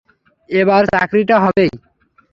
এবার চাকরিটা হবেই।